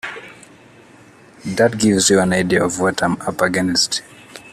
That gives you an idea of what I'm up against.